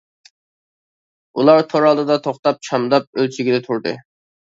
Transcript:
ئۇلار تور ئالدىدا توختاپ، چامداپ ئۆلچىگىلى تۇردى.